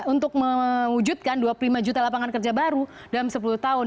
untuk mewujudkan dua puluh lima juta lapangan kerja baru dalam sepuluh tahun